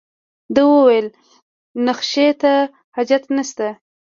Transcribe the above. ده وویل نخښې ته حاجت نشته.